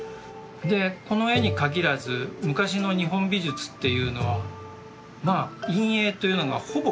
でこの絵に限らず昔の日本美術っていうのはまあ陰影というのがほぼ描かれてない。